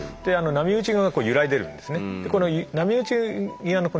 波打ち際がゆらいでるんですね。